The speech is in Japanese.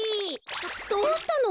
どうしたの？